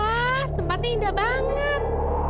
wah tempatnya indah banget